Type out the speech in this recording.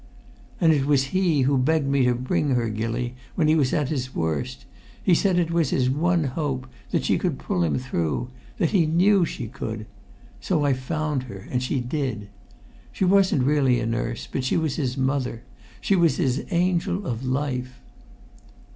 "And it was he who begged me to bring her, Gilly, when he was at his worst! He said it was his one hope that she could pull him through that he knew she could! So I found her, and she did. She wasn't really a nurse, but she was his mother; she was his Angel of Life."